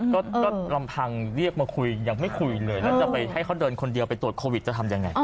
ก็ลำพังเรียกมาคุยยังไม่คุยเลยแล้วจะไปให้เขาเดินคนเดียวไปตรวจโควิดจะทำยังไง